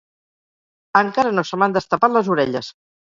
Encara no se m'han destapat les orelles.